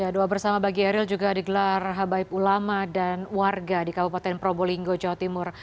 doa bersama bagi eril juga digelar habaib ulama dan warga di kabupaten probolinggo jawa timur